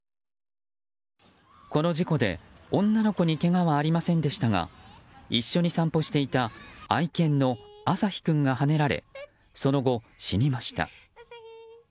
この事故で、女の子にけがはありませんでしたが一緒に散歩していた愛犬の朝陽君がはねられその後、死にました。